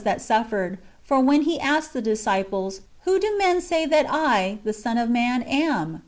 that suffered ; for when He asked the disciples, " Whom do men say that I, the Son of man, am?"